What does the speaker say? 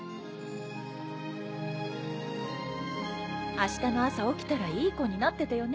明日の朝起きたらいい子になっててよね